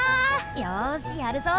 よしやるぞ！